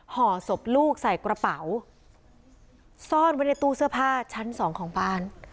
ห่อศพลูกใส่กระเป๋าซ่อนไว้ในตู้เสื้อผ้าชั้นสองของบ้าน